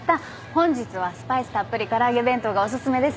本日はスパイスたっぷり唐揚げ弁当がお薦めです。